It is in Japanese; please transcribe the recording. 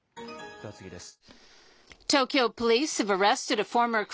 では次です。